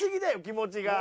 気持ちが。